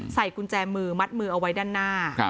ใส่กุญแจมือมัดมือเอาไว้ด้านหน้า